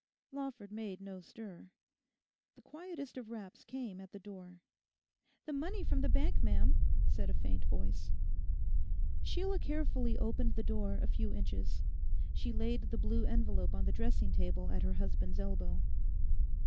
Lawford made no stir. The quietest of raps came at the door. 'The money from the Bank, ma'am,' said a faint voice. Sheila carefully opened the door a few inches. She laid the blue envelope on the dressing table at her husband's elbow.